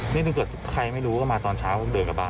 นี่ถ้าเกิดใครไม่รู้ก็มาตอนเช้าผมเดินกลับบ้าน